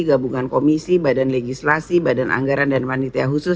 gabungan komisi badan legislasi badan anggaran dan panitia khusus